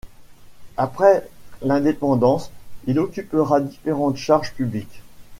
Après l'indépendance, il occupera différentes charges publiques.